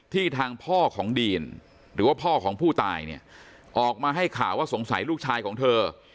ทางพ่อของดีนหรือว่าพ่อของผู้ตายเนี่ยออกมาให้ข่าวว่าสงสัยลูกชายของเธอ